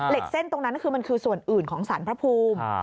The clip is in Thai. เส้นตรงนั้นคือมันคือส่วนอื่นของสารพระภูมิ